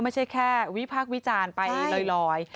ไม่ใช่แค่วิพากษ์วิจารณ์ไปลอย